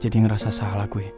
jadi ngerasa salah gue